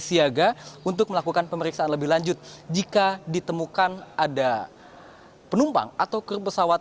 siaga untuk melakukan pemeriksaan lebih lanjut jika ditemukan ada penumpang atau kru pesawat